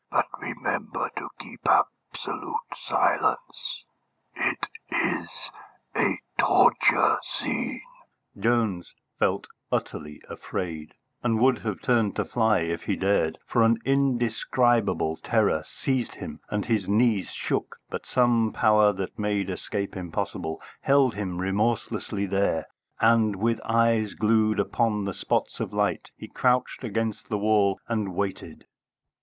"But remember to keep absolute silence. It is a torture scene." Jones felt utterly afraid, and would have turned to fly if he dared, for an indescribable terror seized him and his knees shook; but some power that made escape impossible held him remorselessly there, and with eyes glued on the spots of light he crouched against the wall and waited.